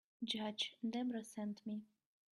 Judge Debra sent me.